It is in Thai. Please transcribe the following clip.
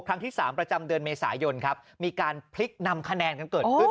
ครั้งที่๓ประจำเดือนเมษายนครับมีการพลิกนำคะแนนกันเกิดขึ้น